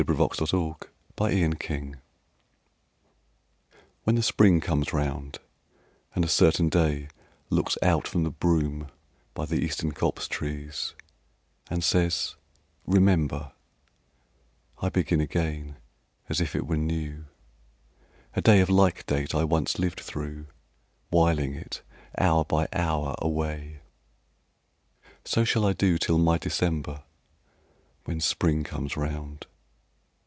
ŌĆöAlas, alas! JOYS OF MEMORY WHEN the spring comes round, and a certain day Looks out from the brume by the eastern copsetrees And says, Remember, I begin again, as if it were new, A day of like date I once lived through, Whiling it hour by hour away; So shall I do till my December, When spring comes round.